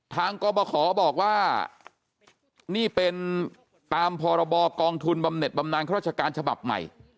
กรบขอบอกว่านี่เป็นตามพรบกองทุนบำเน็ตบำนานข้าราชการฉบับใหม่